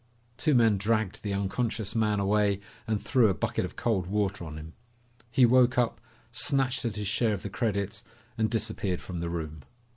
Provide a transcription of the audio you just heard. Two men dragged the unconscious man away and threw a bucket of cold water on him. He woke up, snatched at his share of the credits, and disappeared from the room.